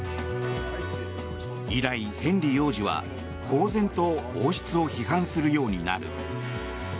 以来、ヘンリー王子は公然と王室を批判するようになる。